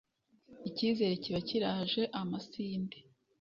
icyizere kiba kiraje amasinde !